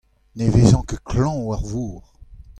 ne vezan ket klañv war vor.